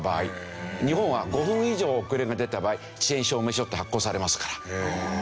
日本は５分以上遅れが出た場合遅延証明書って発行されますから。